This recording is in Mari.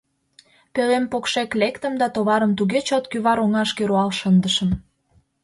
Пӧлем покшек лектым да товарым туге чот кӱвар оҥашке руал шындышым.